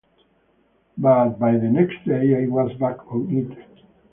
But by the next day I was back on it.